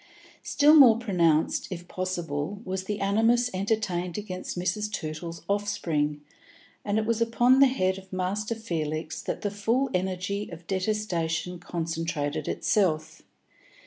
Still more pronounced, if possible, was the animus entertained against Mrs. Tootle's offspring, and it was upon the head of Master Felix that the full energy of detestation concentrated itself.